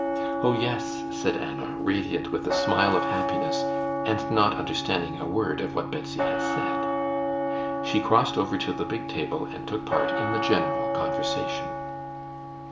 "Oh, yes!" said Anna, radiant with a smile of happiness, and not understanding a word of what Betsy had said. She crossed over to the big table and took part in the general conversation.